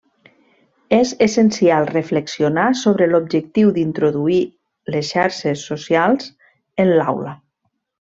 És essencial reflexionar sobre l'objectiu d'introduir les xarxes socials en l'aula.